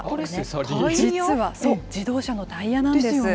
そう、実は自動車のタイヤなんです。